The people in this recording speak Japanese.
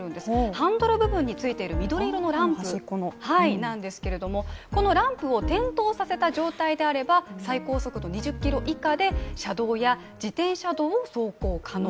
ハンドル部分についている緑色のランプなんですけれどもこのランプを点灯させた状態であれば最高速度２０キロ以下で車道や自転車道を走行可能。